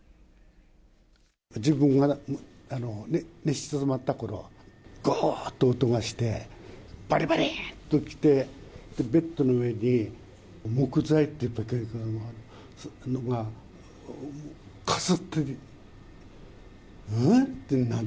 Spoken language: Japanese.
自分が寝静まったころ、ごーって音がして、ばりばりっときて、ベッドの上に、木材っていうか、のが、かすってね、ん？